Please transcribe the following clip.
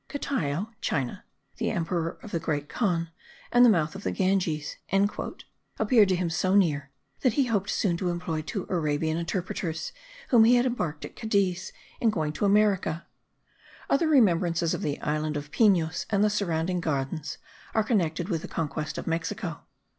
"Catayo (China), the empire of the Great Khan, and the mouth of the Ganges," appeared to him so near, that he hoped soon to employ two Arabian interpreters, whom he had embarked at Cadiz, in going to America. Other remembrances of the island of Pinos, and the surrounding Gardens, are connected with the conquest of Mexico.